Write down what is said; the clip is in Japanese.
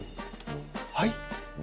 はい？